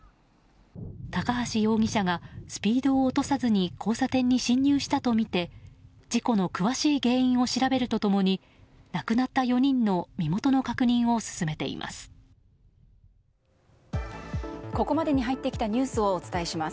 高橋容疑者がスピードを落とさずに交差点に進入したとみて事故の詳しい原因を調べると共に亡くなった４人の身元の確認を進めています。